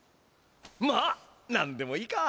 まあ何でもいいか。